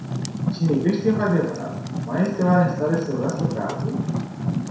Cine iubește cu adevărat, mai este oare în stare să urască pe altul?